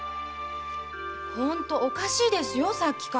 ほんとおかしいですよさっきから。